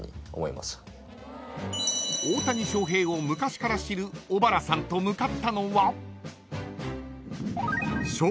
［大谷翔平を昔から知る小原さんと向かったのは］